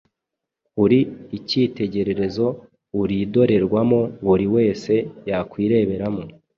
uri ikitegererezo uridorerwamo buriwese yakwirebemo